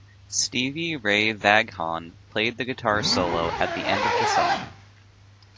Stevie Ray Vaughan played the guitar solo at the end of the song.